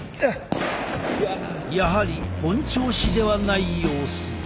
やはり本調子ではない様子。